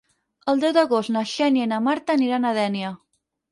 El deu d'agost na Xènia i na Marta aniran a Dénia.